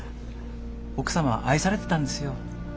奥様は愛されてたんですよ。